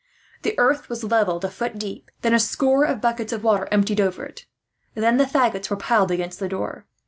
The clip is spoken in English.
The earth was levelled a foot deep, and then a score of buckets of water emptied over it. Then the faggots were piled against the door.